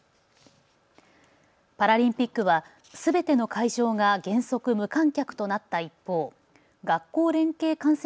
パラリンピックはすべての会場が原則、無観客となった一方、学校連携観戦